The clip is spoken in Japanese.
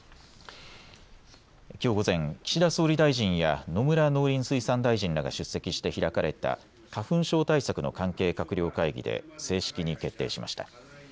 きょう午前、岸田総理大臣や野村農林水産大臣らが出席して開かれた花粉症対策の関係閣僚会議で正式に決定しました。